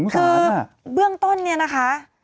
คือเบื้องต้นเนี่ยนะคะ